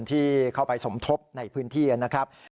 ที่เข้าไปสมทบในพื้นที่นะครับ